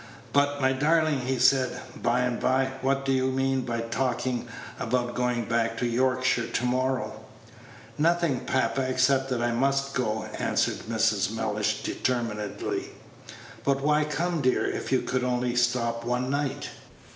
"But, my darling," he said, by and by, "what do you mean by talking about going back to Yorkshire to morrow?" "Nothing, papa, except that I must go," answered Mrs. Mellish, determinedly. "But why come, dear, if you could only stop one night?"